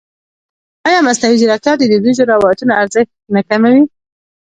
ایا مصنوعي ځیرکتیا د دودیزو روایتونو ارزښت نه کموي؟